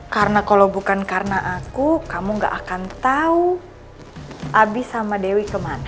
karena kalau bukan karena aku kamu gak akan tau abi sama dewi kemana